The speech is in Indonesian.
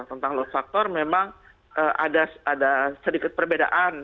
tentang load factor memang ada sedikit perbedaan